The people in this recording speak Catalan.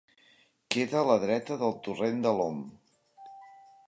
Queda a la dreta del torrent de l'Om.